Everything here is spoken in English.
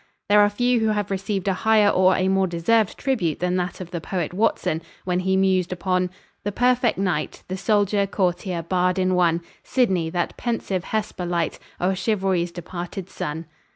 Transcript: There are few who have received a higher or a more deserved tribute than that of the poet Watson, when he mused upon "the perfect knight, The soldier, courtier, bard in one, Sidney, that pensive Hesper light O'er Chivalry's departed Sun."